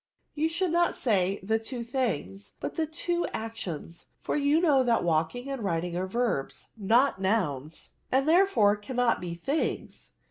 You should not say, the two things, but the two actions, for you know that walking and riding are verbs, not nouns, and therefore cannot be things."